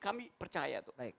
kami percaya tuh